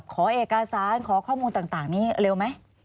ขอเอกสารขอข้อมูลต่างนี้เร็วไหม